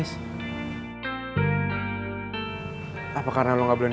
akhirnya kamu mulai boleh panggil yo know